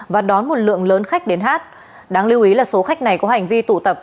và đón một lượng lớn khách đến hát đáng lưu ý là số khách này có hành vi tụ tập